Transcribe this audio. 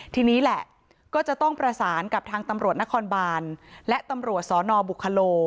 ทีนี้แหละก็จะต้องประสานกับทางตำรวจนครบานและตำรวจสนบุคโล